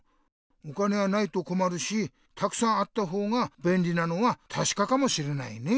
お金はないとこまるしたくさんあった方がべんりなのはたしかかもしれないね。